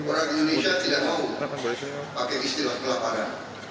orang indonesia tidak mau pakai istilah kelaparan